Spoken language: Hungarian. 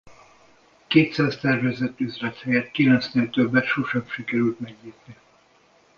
Kétszáz tervezett üzlet helyett kilencnél többet sosem sikerült megnyitni.